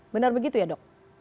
benar begitu ya dok